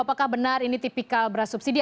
apakah benar ini tipikal beras subsidi